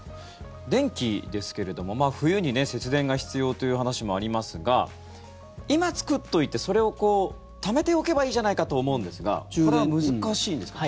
電気ですけれども冬に節電が必要という話もありますが今、作っておいてそれをためておけばいいじゃないかと思うんですがこれは難しいんですか？